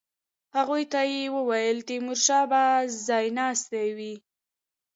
هغوی ته یې وویل تیمورشاه به ځای ناستی وي.